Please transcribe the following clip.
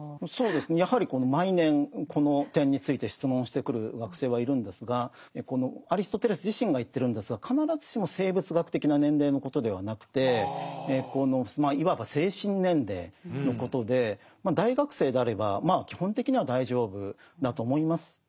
やはり毎年この点について質問してくる学生はいるんですがアリストテレス自身が言ってるんですが必ずしも生物学的な年齢のことではなくてまあいわば精神年齢のことで大学生であればまあ基本的には大丈夫だと思います。